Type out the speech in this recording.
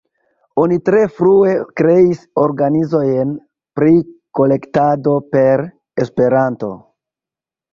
Oni tre frue kreis organizojn pri kolektado per Esperanto.